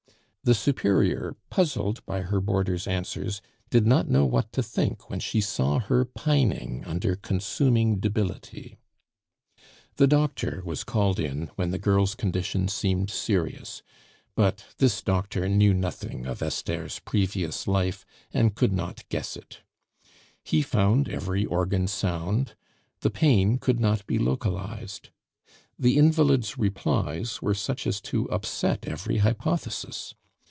The Superior, puzzled by her boarder's answers, did not know what to think when she saw her pining under consuming debility. The doctor was called in when the girl's condition seemed serious; but this doctor knew nothing of Esther's previous life, and could not guess it; he found every organ sound, the pain could not be localized. The invalid's replies were such as to upset every hypothesis.